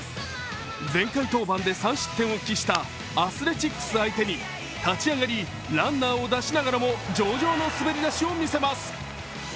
前回登板で３失点を喫したアスレチックス相手に立ち上がり、ランナーを出しながらも上々の滑り出しを見せます。